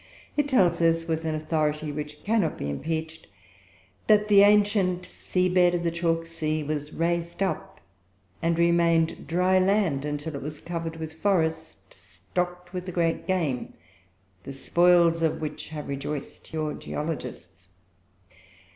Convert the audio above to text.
It tells us, with an authority which cannot be impeached, that the ancient sea bed of the chalk sea was raised up, and remained dry land, until it was covered with forest, stocked with the great game the spoils of which have rejoiced your geologists.